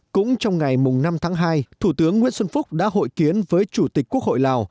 cũng trong ngày năm tháng hai thủ tướng nguyễn xuân phúc đã hội kiến với chủ tịch quốc hội lào